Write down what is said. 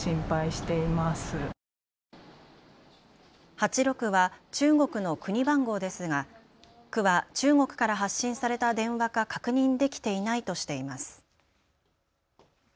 ８６は中国の国番号ですが区は中国から発信された電話か確認できていないとしています。